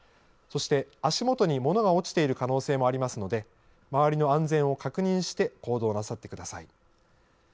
そして、足元に物が落ちている可能性もありますので、周りの安全を確認して行動なさってください。